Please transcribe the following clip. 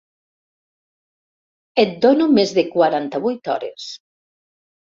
Et dono més de quaranta-vuit hores.